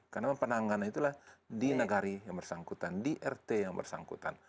karena penanganan itulah di nagari yang bersangkutan di rt yang bersangkutan